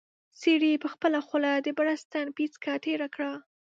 سړي په خپله خوله د بړستن پېڅکه تېره کړه.